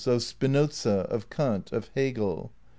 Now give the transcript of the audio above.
Of Spinoza. Of Kant. Of Hegel.